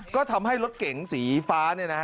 ก็ทำให้รถเก่งสีฟ้าเนี่ยนะ